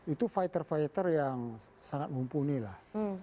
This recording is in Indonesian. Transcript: itu fighter fighter yang sangat mumpuni lah